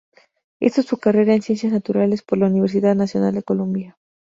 Hizo su carrera en Ciencias Naturales por la Universidad Nacional de Colombia.